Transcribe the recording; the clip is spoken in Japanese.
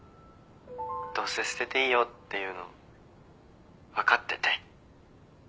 どうせ捨てていいよって言うの分かってて。